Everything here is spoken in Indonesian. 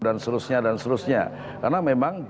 dan selanjutnya dan selanjutnya karena memang